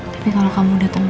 tapi kalau kamu datang